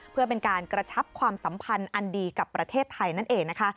เพื่อเป็นการกระชับความสัมพันธ์อันดีกับประเทศไทยนั่นเองนะคะ